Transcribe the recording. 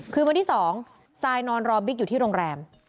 คืนวันที่๒ซายนอนรอบิ๊กอยู่ที่โรงแรม